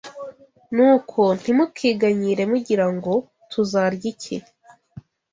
Nuko ntimukiganyire mugira ngo: Tuzarya iki?